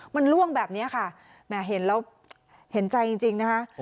มันล่วงแบบนี้ค่ะแหมเห็นแล้วเห็นใจจริงนะคะ